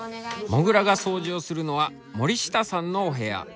もぐらが掃除をするのは森下さんのお部屋。